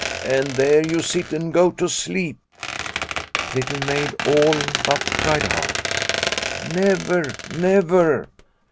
" And there you sit and go to sleep." Little Maid all but cried out " Never, never